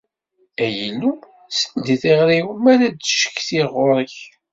Ay Illu, sel-d i tiɣri-w, mi ara ttcetkiɣ ɣur-k!